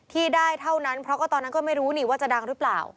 ที่ได้เท่านั้นเพราะก็ตอนนั้นก็ไม่รู้นี่ว่าจะดังหรือเปล่า